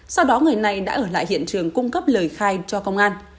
sau đó người này đã ở lại hiện trường cung cấp lời khai cho công an